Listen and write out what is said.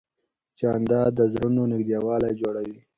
جانداد د زړونو نږدېوالی جوړوي.